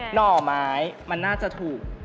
ห่อไม้มันน่าจะถูก